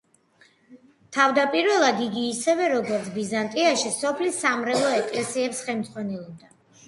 თავდაპირველად იგი, ისევე როგორც ბიზანტიაში, სოფლის სამრევლო ეკლესიებს ხელმძღვანელობდა.